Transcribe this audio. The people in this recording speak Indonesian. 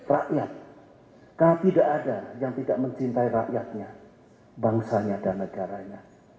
rakyat karena tidak ada yang tidak mencintai rakyatnya bangsanya dan negaranya